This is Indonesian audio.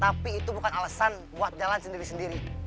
tapi itu bukan alasan buat jalan sendiri sendiri